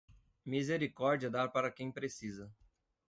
Misericórdia é dar para quem precisa